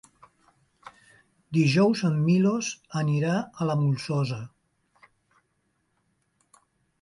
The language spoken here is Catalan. Dijous en Milos anirà a la Molsosa.